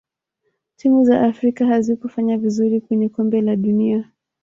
timu za afrika hazikufanya vizuri kwenye kombe la dunia